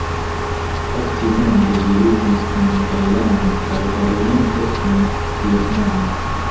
Okcidente ĝi limas kun Tajlando kaj oriente kun Vjetnamo.